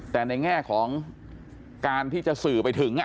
แต่ในแง่ของการที่จะสื่อไปถึง